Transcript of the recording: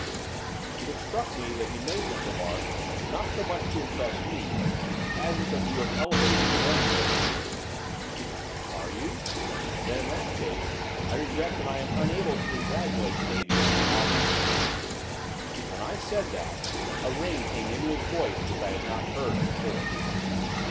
It struck me that he made this remark, not so much to impress me, as with a view of elevating his own low spirits. 'Are you? Then, in that case, I regret that I am unable to congratulate the lady on her offspring.' When I said that, a ring came into his voice which I had not heard before.